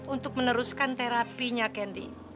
untuk meneruskan terapinya candy